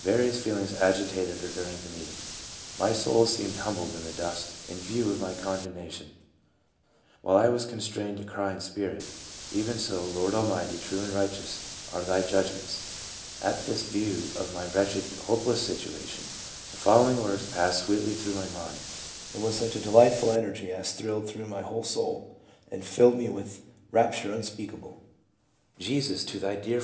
Various feelings agitated her during the meet ing :'' My soul seemed humbled in the dust in view of my condemnation ; while I was constrained to cry in spirit, 'Even so, Lord Almighty, true and righteous are Thy judg ments !' At this view of my wretched, hopeless situation, the following words passed sweetly through my mind, and with such delightful energy as thrilled through my whole soul, and filled me with rapture unspeakable :' Jesus, to thy dear faithful hand, My naked soul I trust.'